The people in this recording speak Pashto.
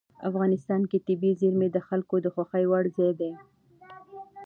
افغانستان کې طبیعي زیرمې د خلکو د خوښې وړ ځای دی.